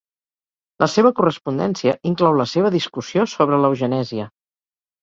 La seva correspondència inclou la seva discussió sobre l'eugenèsia.